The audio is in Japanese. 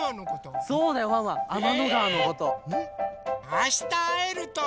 あしたあえるといいね。